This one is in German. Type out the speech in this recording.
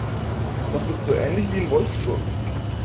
Das ist so ähnlich wie in Wolfsburg